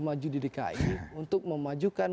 maju di dki untuk memajukan